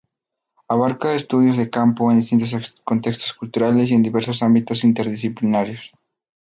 Abarca estudios de campo en distintos contextos culturales y en diversos ámbitos interdisciplinarios.